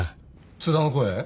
津田の声？